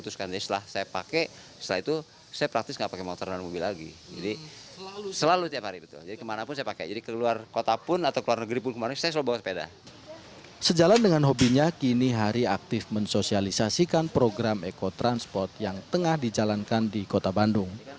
sejalan dengan hobinya kini hari aktif mensosialisasikan program eko transport yang tengah dijalankan di kota bandung